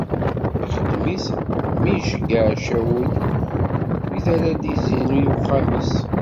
Ixdem-it mi iceggeɛ Cawul wid ara as-d-izzin i uxxam-is.